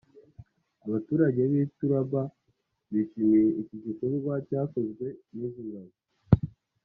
Abaturage b’i Turba bishimiye iki gikorwa cyakozwe n’izi ngabo